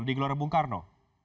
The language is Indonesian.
di gelora bung karno